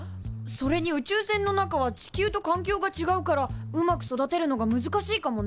それに宇宙船の中は地球とかん境がちがうからうまく育てるのが難しいかもね。